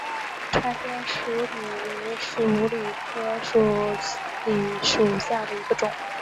川滇鼠李为鼠李科鼠李属下的一个种。